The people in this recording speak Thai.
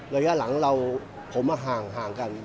ระยะหลังเราผมห่างกัน